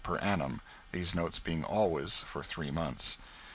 per annum, these notes being always for three months.